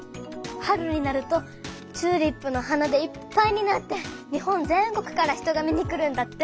春になるとチューリップの花でいっぱいになって日本全国から人が見に来るんだって。